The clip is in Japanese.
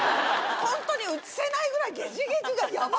本当に映せないぐらいゲジゲジがヤバいやつ。